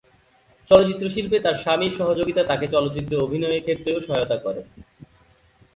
চলচ্চিত্র শিল্পে তার স্বামীর সহযোগিতা তাকে চলচ্চিত্রে অভিনয়ের ক্ষেত্রেও সহায়তা করে।